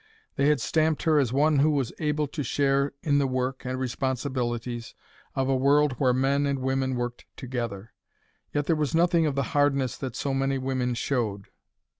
They had stamped her as one who was able to share in the work and responsibilities of a world where men and women worked together. Yet there was nothing of the hardness that so many women showed.